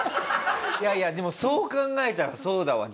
いやいやでもそう考えたらそうだわ。